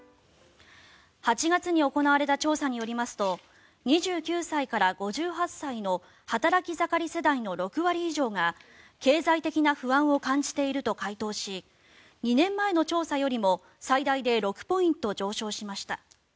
８月に行われた調査によりますと２９歳から５８歳の働き盛り世代の６割以上が経済的な不安を感じていると回答し２年前の調査よりも最大で６ポイント上昇しました。